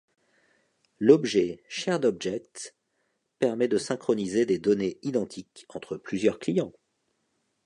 L'objet SharedObject permet de synchroniser des données identiques entre plusieurs clients.